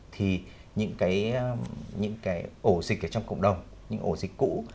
thì những cái ổ dịch ở trong cộng đồng những ổ dịch cũ